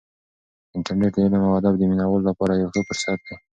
انټرنیټ د علم او ادب د مینه والو لپاره یو ښه فرصت دی.